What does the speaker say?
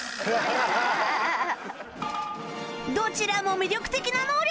どちらも魅力的な能力！